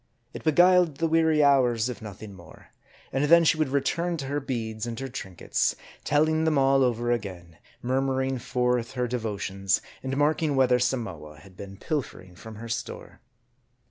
It be guiled the weary hours, if nothing more ; and then she would return to her beads and her trinkets ; telling them all over again ; murmuring forth her devotions, and marking whether Samoa had been pilfering from her store.